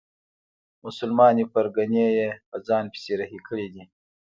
مسلمانې پرګنې یې په ځان پسې رهي کړي دي.